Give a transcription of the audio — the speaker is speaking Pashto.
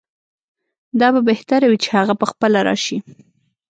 دا به بهتره وي چې هغه پخپله راشي.